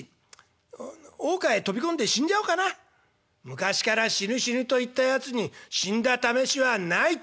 「昔から死ぬ死ぬと言ったやつに死んだためしはないと」。